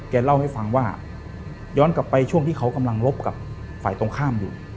เล่าให้ฟังว่าย้อนกลับไปช่วงที่เขากำลังรบกับฝ่ายตรงข้ามอยู่